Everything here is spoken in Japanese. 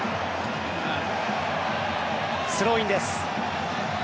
スローインです。